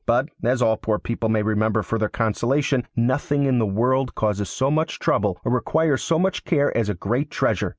But, as all poor people may remember for their consolation, nothing in the world causes so much trouble or requires so much care as a great treasure.